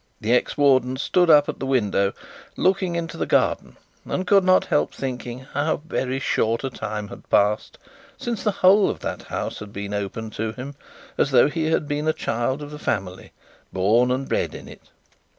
The ex warden stood up at the window looking into the garden, and could not help thinking how very short a time had passed since the whole of that house had been open to him, as though he had been a child of the family, born and bred in it.